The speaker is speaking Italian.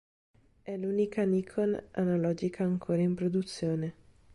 È l'unica Nikon analogica ancora in produzione.